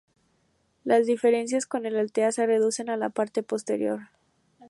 Las diferencias con el Altea se reducen a la parte posterior.